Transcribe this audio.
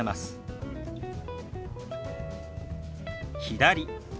「左」。